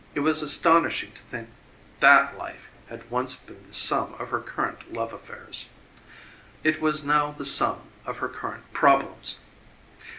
It was astonishing to think that life had once been the sum of her current love affairs. It was now the sum of her current problems.